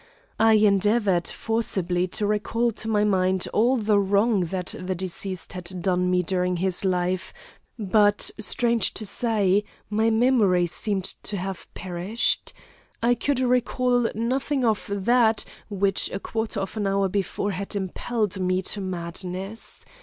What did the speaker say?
I endeavoured forcibly to recall to my mind all the wrong that the deceased had done me during his life, but strange to say, my memory seemed to have perished. I could recall nothing of that, which a quarter of an hour before had impelled me to madness.